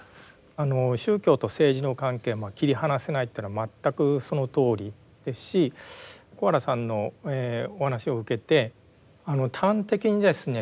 あの宗教と政治の関係まあ切り離せないっていうのは全くそのとおりですし小原さんのお話を受けて端的にですね